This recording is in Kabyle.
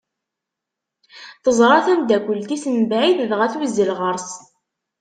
Teẓra tameddakelt-is mebɛid dɣa tuzzel ɣer-s.